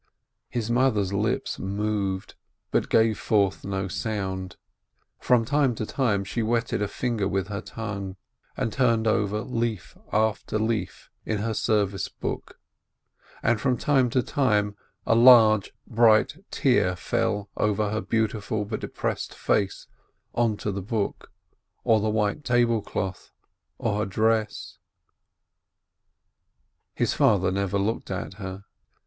His mother's lips moved, but gave forth no sound; from time to time she wetted a finger with her tongue, and turned over leaf after leaf in her service book, and from time to time a large, bright tear fell over her beautiful but depressed face onto the book, or the white table cloth, or her dress. His father never looked at her.